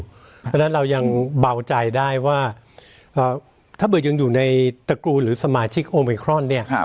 เพราะฉะนั้นเรายังเบาใจได้ว่าถ้าเบิกยังอยู่ในตระกูลหรือสมาชิกโอมิครอนเนี่ย